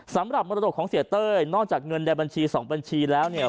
มรดกของเสียเต้ยนอกจากเงินในบัญชี๒บัญชีแล้วเนี่ย